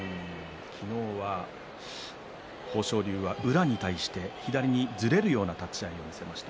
昨日は豊昇龍は宇良に対して左にずれるような立ち合いを見せました。